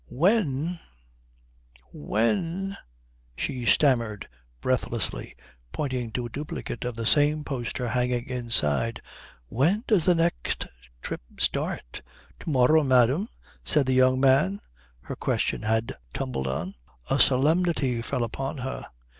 "When when " she stammered breathlessly, pointing to a duplicate of the same poster hanging inside, "when does the next trip start?" "To morrow, madam," said the young man her question had tumbled on. A solemnity fell upon her.